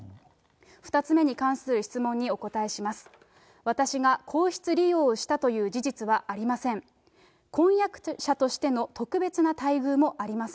２つ目に関する質問にお答えします。